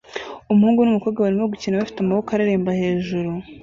Umuhungu numukobwa barimo gukina bafite amaboko areremba hejuru